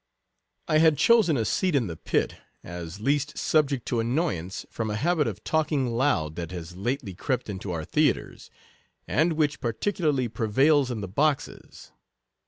I had chosen a seat in the pit, as least subject to annoyance from a habit of talking loud that has lately crept into our theatres, and which particularly prevails in the boxes.